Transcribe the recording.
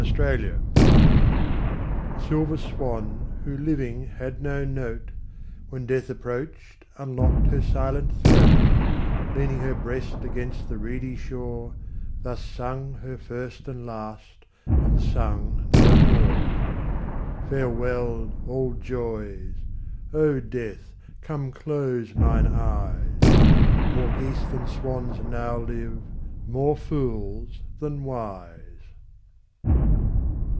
6 Autoplay The silver swan, who living had no note, When death approach'd, unlock'd her silent throat; Leaning her breast against the reedy shore, Thus sung her first and last, and sung no more. Farewell, all joys; O Death, come close mine eyes; More geese than swans now live, more fools than wise.